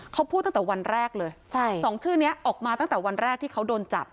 เขาพูดตั้งแต่วันแรกเลยใช่สองชื่อนี้ออกมาตั้งแต่วันแรกที่เขาโดนจับ